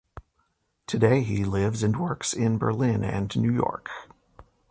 Today he lives and works in Berlin and New York.